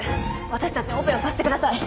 私たちにオペをさせてください。